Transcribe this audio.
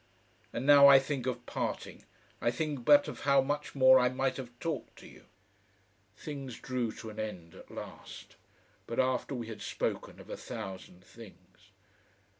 And now I think of parting, I think but of how much more I might have talked to you."... Things drew to an end at last, but after we had spoken of a thousand things.